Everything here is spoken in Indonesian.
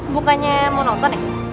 bukannya mau nonton ya